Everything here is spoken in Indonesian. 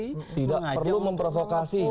tidak perlu memprovokasi